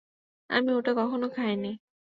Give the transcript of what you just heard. আমি ওটা কখনো খাইনি।